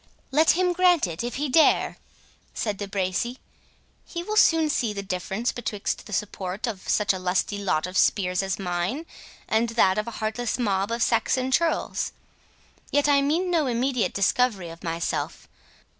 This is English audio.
"Let him grant it, if he dare," said De Bracy; "he will soon see the difference betwixt the support of such a lusty lot of spears as mine, and that of a heartless mob of Saxon churls. Yet I mean no immediate discovery of myself.